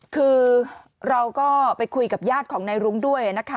คือเราก็ไปคุยกับญาติของนายรุ้งด้วยนะคะ